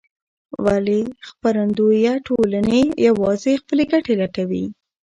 ولې خپرندویه ټولنې یوازې خپلې ګټې لټوي؟